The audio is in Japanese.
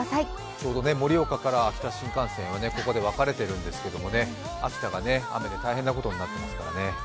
ちょうど盛岡から秋田新幹線はここで分かれているんですけどね、秋田が雨で大変なことになっていますからね。